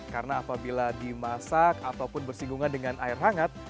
karena apabila dimasak ataupun bersinggungan dengan air hangat